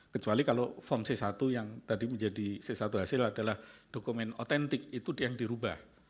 kecuali kalau form c satu yang tadi menjadi c satu hasil adalah dokumen otentik itu yang dirubah